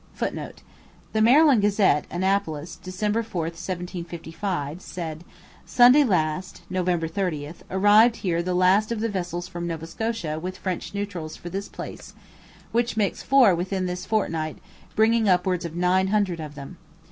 [Footnote: The Maryland Gazette, Annapolis, December 4, 1755, said: 'Sunday last [November 30] arrived here the last of the vessels from Nova Scotia with French Neutrals for this place, which makes four within this fortnight bringing upwards of nine hundred of them.